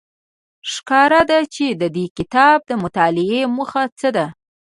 ښکاره ده چې د دې کتاب د مطالعې موخه څه ده